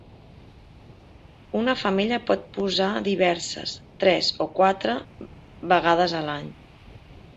Una femella pot posar diverses, tres o quatre, vegades a l'any.